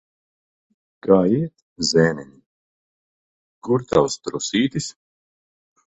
Kā iet, zēniņ? Kur tavs trusītis?